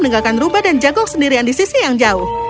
meninggalkan rubah dan jagung sendirian di sisi yang jauh